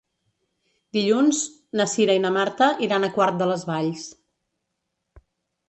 Dilluns na Cira i na Marta iran a Quart de les Valls.